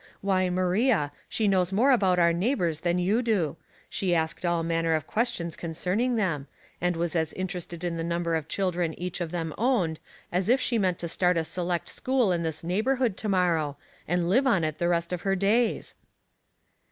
Why, Maria, she knows more about our neighbors than you do ; she asked all manner of questions concerning them^ and was as interested in the number of children Puzzling People. 201 each of them owned as if she meant to start a select school in this neighborhood to morrow, and live on it the rest of her days."